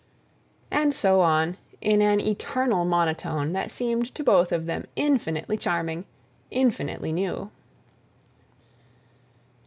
And so on in an eternal monotone that seemed to both of them infinitely charming, infinitely new.